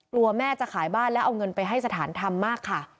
แม่จะขายบ้านแล้วเอาเงินไปให้สถานธรรมมากค่ะ